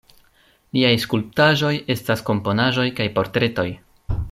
Liaj skulptaĵoj estas komponaĵoj kaj portretoj.